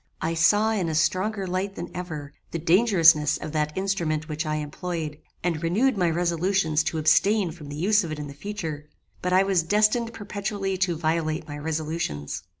"I saw in a stronger light than ever, the dangerousness of that instrument which I employed, and renewed my resolutions to abstain from the use of it in future; but I was destined perpetually to violate my resolutions.